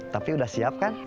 tapi udah siap kan